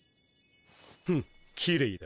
フッきれいだ。